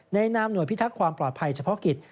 นามหน่วยพิทักษ์ความปลอดภัยเฉพาะกิจ